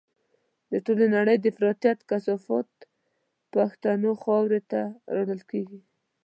د ټولې نړۍ د افراطيت کثافات پښتنو خاورو ته راوړل کېږي.